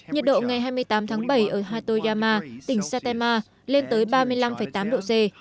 nhiệt độ ngày hai mươi tám tháng bảy ở hatoyama tỉnh saitama lên tới ba mươi năm tám độ c